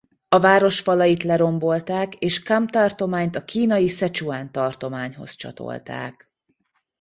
A város falait lerombolták és Kham tartományt a kínai Szecsuan tartományhoz csatolták.